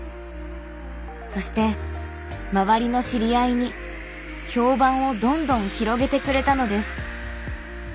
そして周りの知り合いに評判をどんどん広げてくれたのです。